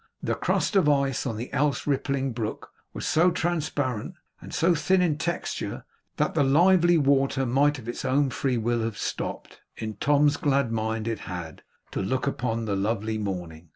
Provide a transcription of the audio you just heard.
The crust of ice on the else rippling brook was so transparent, and so thin in texture, that the lively water might of its own free will have stopped in Tom's glad mind it had to look upon the lovely morning.